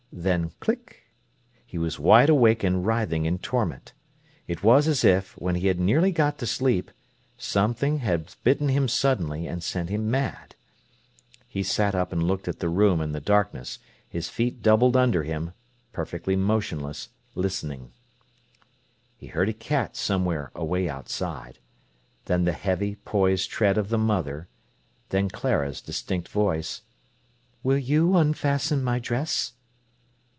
Then click!—he was wide awake and writhing in torment. It was as if, when he had nearly got to sleep, something had bitten him suddenly and sent him mad. He sat up and looked at the room in the darkness, his feet doubled under him, perfectly motionless, listening. He heard a cat somewhere away outside; then the heavy, poised tread of the mother; then Clara's distinct voice: "Will you unfasten my dress?"